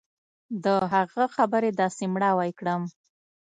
د هغه خبرې داسې مړاوى کړم.